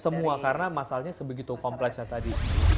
semua karena masalahnya sebegitu kompleksnya tadi